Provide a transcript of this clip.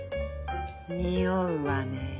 におうわね。